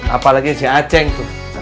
apalagi si aceh